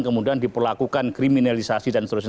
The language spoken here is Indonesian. kemudian diperlakukan kriminalisasi dan seterusnya